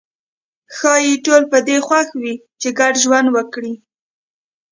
ښايي ټول په دې خوښ وي چې ګډ ژوند وکړي.